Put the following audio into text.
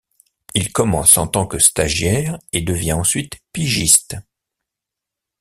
Il commence en tant que stagiaire et devient ensuite pigiste.